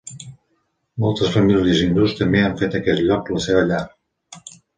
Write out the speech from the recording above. Moltes famílies hindús també han fet d'aquest lloc la seva llar.